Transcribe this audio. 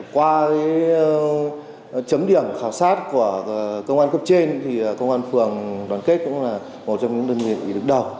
qua chấm điểm khảo sát của công an cấp trên thì công an phường đoàn kết cũng là một trong những đơn vị đứng đầu